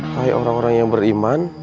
hai orang orang yang beriman